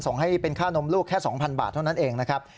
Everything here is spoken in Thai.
ส่งให้เป็นค่านมลูกแค่๒๐๐บาทเท่านั้นเองนะครับ